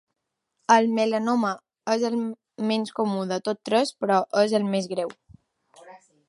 El melanoma és el menys comú de tots tres, però és el més greu.